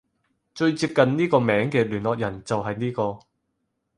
最接近呢個名嘅聯絡人就係呢個